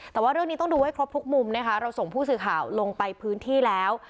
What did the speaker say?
แต่ว่าเรื่องนี้ต้องดูให้ครบทุกมุมนะคะเราส่งผู้สื่อข่าวลงไปพื้นที่แล้ว